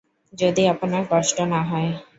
যদি আপনার কষ্ট না হয়।